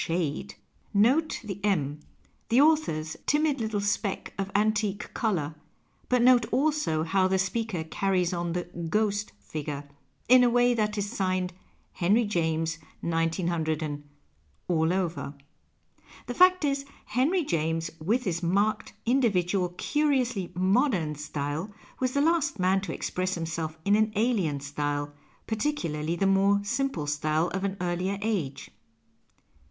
5 PASTICHE AND PREJUDICE Note the " 'em," the author's timid little speck of antique colour, but note also how the speaker carries on the " ghost " figure — in a way that is signed " Henry James, 19 —" all over. The fact is, Henry James, with his marked, individual, curiously " modern '' style, was the last man to express himself in an alien style, particularly the more simple style of an earlier age.